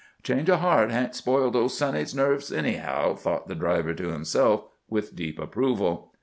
"Change o' heart hain't spoiled old Sonny's nerve, anyhow," thought the driver to himself, with deep approval.